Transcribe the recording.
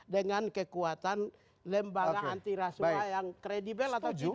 dengan kekuatan lembaga antirasumah yang kredibel atau tidak